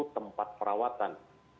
dua puluh satu tempat perawatan